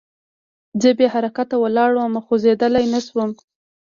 زه بې حرکته ولاړ وم او خوځېدلی نه شوم